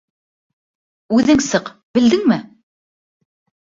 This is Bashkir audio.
Үҙең сыҡ, белдеңме?